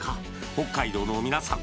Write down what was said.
北海道の皆さん